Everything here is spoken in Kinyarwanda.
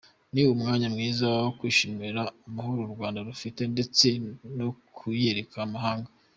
Ni umwanya mwiza wo kwishimira Amahoro u Rwanda rufite ndetse no kuyereka amahanga.